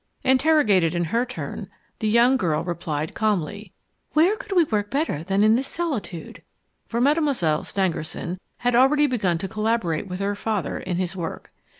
Interrogated in her turn, the young girl replied calmly: "Where could we work better than in this solitude?" For Mademoiselle Stangerson had already begun to collaborate with her father in his work.